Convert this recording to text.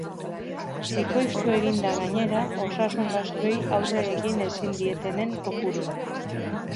Bikoiztu egin da, gainera, osasun gastuei aurre egin ezin dietenen kopurua.